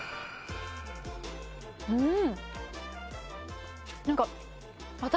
うん！